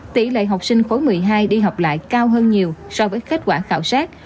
tỷ lệ học sinh khối một mươi hai đi học lại cao hơn nhiều so với kết quả khảo sát